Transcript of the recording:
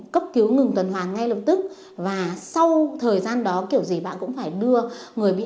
cấp cứu ngừng tuần hoàn ngay lập tức và sau thời gian đó kiểu gì bạn cũng phải đưa người bị